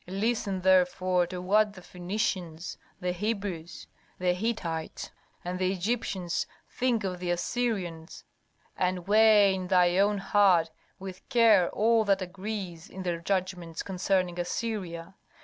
Listen therefore to what the Phœnicians, the Hebrews, the Hittites, and the Egyptians think of the Assyrians, and weigh in thy own heart with care all that agrees in their judgments concerning Assyria.